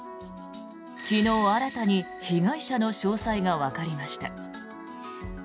昨日、新たに被害者の詳細がわかりました。